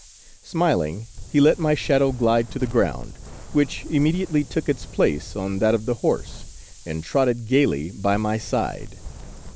Smiling, he let my shadow glide to the ground, which immediately took its place on that of the horse, and trotted gaily by my side.